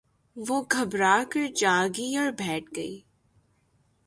وہ گھبرا کر جاگی اور بیٹھ گئی